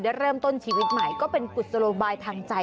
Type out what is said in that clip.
เริ่มต้นชีวิตใหม่ก็เป็นกุศโลบายทางใจ